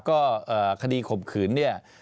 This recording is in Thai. ก็คดีข่มขืนเนี่ย